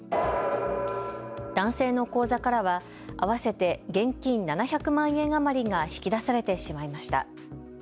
男性の口座からは合わせて現金７００万円余りが引き出されてしまいました。